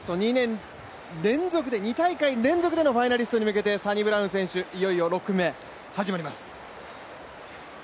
２大会連続のファイナリストに向けてサニブラウン選手、いよいよ６組目、始まります。